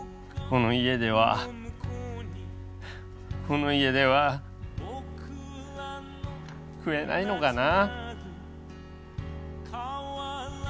この家ではこの家では食えないのかな。